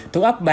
thuốc ốc ba